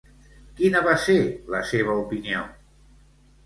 Quina va ser la seva opinió?